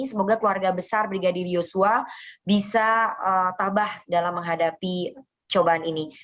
semoga keluarga besar brigadir yosua bisa tabah dalam menghadapi cobaan ini